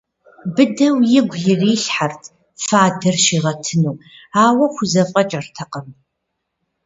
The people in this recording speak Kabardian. Быдэу игу ирилъхьэрт фадэр щигъэтыну, ауэ хузэфӏэкӏыртэкъым.